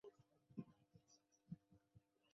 为巴西第三大州。